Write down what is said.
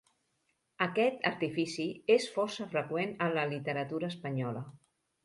Aquest artifici és força freqüent en la literatura espanyola.